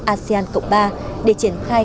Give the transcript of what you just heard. asean cộng ba để triển khai